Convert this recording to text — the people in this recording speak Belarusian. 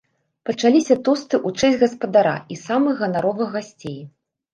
Пачаліся тосты ў чэсць гаспадара і самых ганаровых гасцей.